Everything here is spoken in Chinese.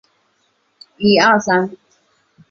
景德镇站位于江西省景德镇市通站路。